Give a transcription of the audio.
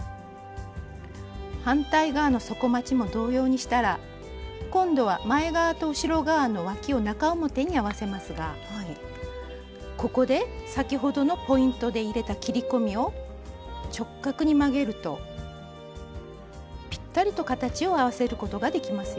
反対側の底まちも同様にしたら今度は前側と後ろ側のわきを中表に合わせますがここで先ほどのポイントで入れた切り込みを直角に曲げるとぴったりと形を合わせることができますよ。